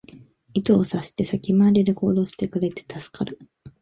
意図を察して先回りで行動してくれて助かる